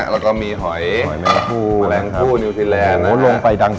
เราก็มีหอยแม่งกู้นิวทีแลนด์นะฮะ